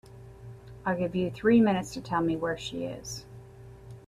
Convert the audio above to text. I'll give you three minutes to tell me where she is.